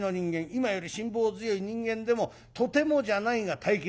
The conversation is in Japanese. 今より辛抱強い人間でもとてもじゃないが耐えきれない。